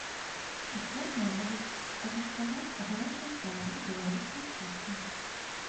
Ахвотныя могуць пакаштаваць гарачыя стравы беларускай кухні.